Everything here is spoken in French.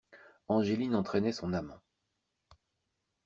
Angeline entraînait son amant.